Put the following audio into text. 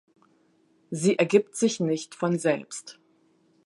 Sie ergibt sich nicht von selbst.